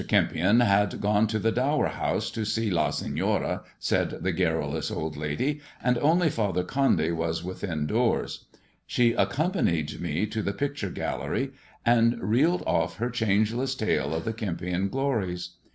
Kempion had gone to the Dower House, to see La Senora, said the garrulous old lady, and only Father Condy was within doors. She accompanied me to the picture THE JESUIT AND THE MEXICAN COIN 289 illery, and reeled off her changeless tale of the Kempion lories.